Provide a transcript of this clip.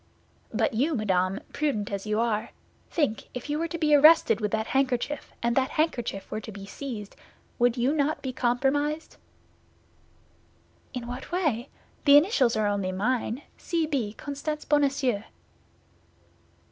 "But you, madame, prudent as you are, think, if you were to be arrested with that handkerchief, and that handkerchief were to be seized, would you not be compromised?" "In what way? The initials are only mine—C. B., Constance Bonacieux."